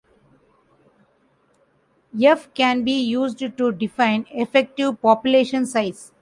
"F" can be used to define effective population size.